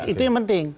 itu yang penting